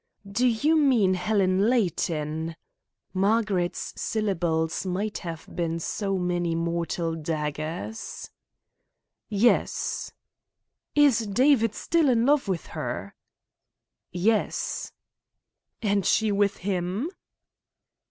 "Do you mean Helen Layton?" Margaret's syllables might have been so many mortal daggers. "Yes." "Is David still in love with her?" "Yes." "And she with him?"